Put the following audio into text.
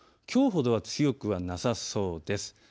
きょうほどは強くはなさそうです。